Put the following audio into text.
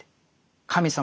「神様